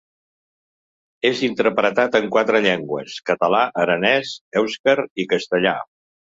És interpretat en quatre llengües: català, aranès, èuscar i castellà.